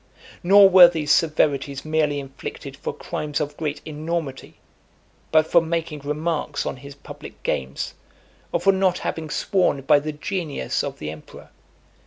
Nor were these severities merely inflicted for crimes of great enormity, but for making remarks on his public games, or for not having sworn by the Genius of the emperor.